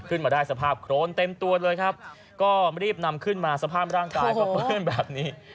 ขึ้นมาได้สภาพโครนเต็มตัวเลยครับก็รีบนำขึ้นมาสภาพร่างกายก็เปื้อนแบบนี้